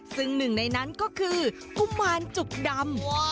ซึ่งหนึ่งในนั้นก็คือกุมารจุกดำ